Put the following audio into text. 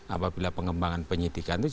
apabila pengembangan penyelidikan